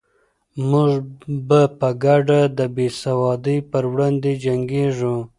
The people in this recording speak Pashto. موږ به په ګډه د بې سوادۍ پر وړاندې جنګېږو.